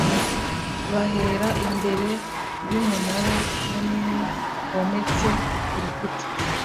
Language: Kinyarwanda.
bahera imbere y umunara munini wometse ku rukuta